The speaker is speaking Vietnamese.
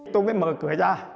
tôi mới mở cửa ra